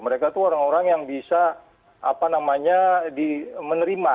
mereka tuh orang orang yang bisa apa namanya di menerima